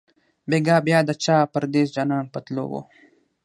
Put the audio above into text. بیګا بیا د چا پردېس جانان په تلو وو